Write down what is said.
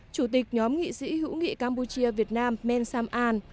chủ tịch nhóm nghị sĩ hữu nghị campuchia việt nam men sam an